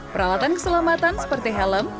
peralatan keselamatan seperti helm